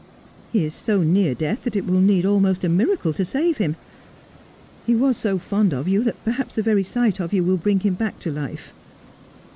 ' He is so near death that it will need almost a miracle to save him. He was so fond of you that perhaps the very sight of you will bring him back to life.